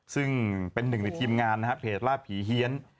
ซึ่งเป็นหนึ่งในทีมงานนะครับเพจล่าผีเฮียน